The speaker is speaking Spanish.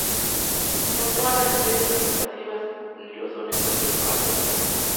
No todas las especies son invasivas, ni lo son en cualquier parte o momento.